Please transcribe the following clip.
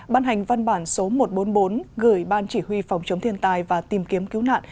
ban hành văn bản số một trăm bốn mươi bốn gửi ban chỉ huy phòng chống thiên tai và tìm kiếm cứu nạn